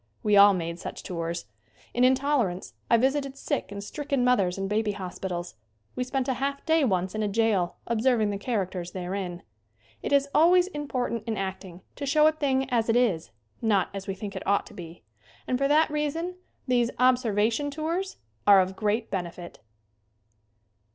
We all made such tours. In "In tolerance" I visited sick and stricken mothers in baby hospitals. We spent a half day once in a jail observing the characters therein. It is always important in acting to show a thing as it is, not as we think it ought to be, and for that reason these "observation tours" are of great benefit.